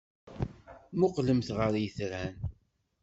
Mmuqqlemt ɣer yitran.